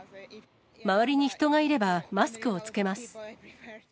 周りに人がいれば、マスクを着けます。